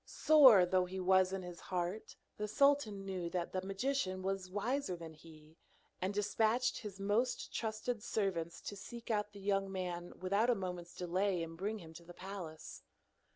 Sore though he was in his heart, the sultan knew that the magician was wiser than he, and despatched his most trusted servants to seek out the young man without a moment's delay and bring him to the palace.